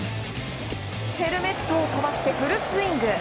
ヘルメットを飛ばしてフルスイング。